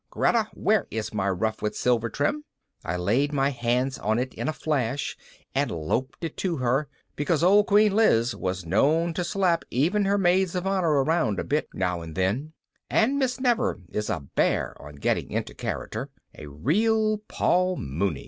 Greta, where is my ruff with silver trim?" I laid my hands on it in a flash and loped it to her, because Old Queen Liz was known to slap even her Maids of Honor around a bit now and then and Miss Nefer is a bear on getting into character a real Paul Muni.